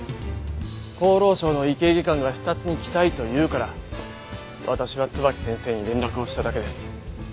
厚労省の医系技官が視察に来たいと言うから私は椿木先生に連絡をしただけです。